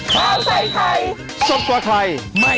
โปรดติดตามตอนต่อไป